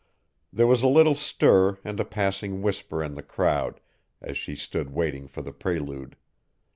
There was a little stir and a passing whisper in the crowd as she stood waiting for the prelude.